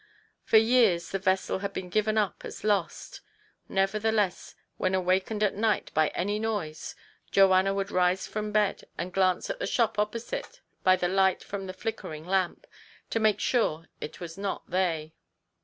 For years the vessel had been given up as lost. Nevertheless, when awakened at night by any noise, Joanna would rise from bed and glance at the shop opposite by the light from the flickering lamp, to make sure it was not they.